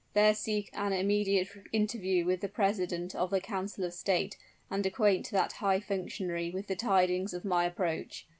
There seek an immediate interview with the president of the council of state, and acquaint that high functionary with the tidings of my approach.